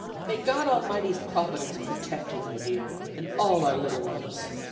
May God Almighty's providence protect you, my dear, and all our little ones.